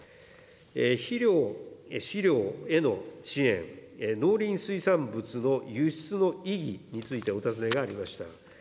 肥料・飼料への支援、農林水産物の輸出の意義についてお尋ねがありました。